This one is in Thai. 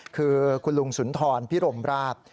คือคุณลุงสุนทรพิรมราช